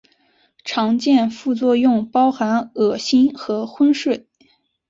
常见副作用包含恶心和昏睡。